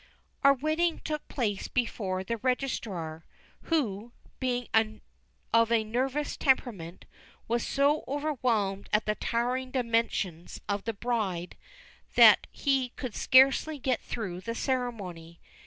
Our wedding took place before the Registrar, who, being of a nervous temperament, was so overwhelmed at the towering dimensions of the bride, that he could scarcely get through the ceremony.